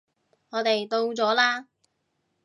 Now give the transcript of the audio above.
我哋到咗喇